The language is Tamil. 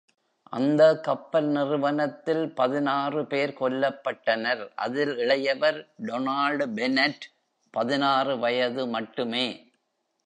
அந்த கப்பல் நிறுவனத்தில் பதினாறு பேர் கொல்லப்பட்டனர், அதில் இளையவர் Donald Bennett, பதினாறு வயது மட்டுமே.